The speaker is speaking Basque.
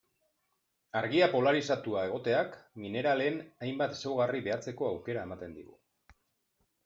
Argia polarizatua egoteak mineralen hainbat ezaugarri behatzeko aukera ematen digu.